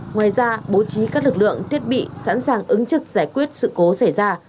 ngoài ra bố trí các lực lượng thiết bị sẵn sàng ứng trực giải quyết sự cố xảy ra